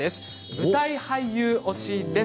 舞台俳優推しです。